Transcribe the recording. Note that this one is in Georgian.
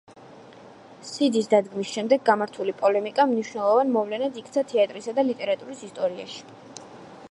სიდის დადგმის შემდეგ გამართული პოლემიკა მნიშვნელოვან მოვლენად იქცა თეატრისა და ლიტერატურის ისტორიაში.